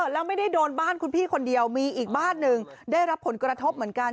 แล้วไม่ได้โดนบ้านคุณพี่คนเดียวมีอีกบ้านหนึ่งได้รับผลกระทบเหมือนกัน